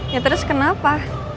ya terus kenapa